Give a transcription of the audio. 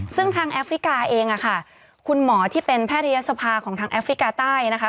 ซึ่งทางแอฟริกาเองค่ะคุณหมอที่เป็นแพทยศภาของทางแอฟริกาใต้นะคะ